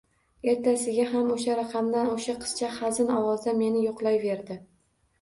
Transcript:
Ertasiga ham o'sha raqamdan o'sha qizcha xazin ovozda meni yo'qlayverdi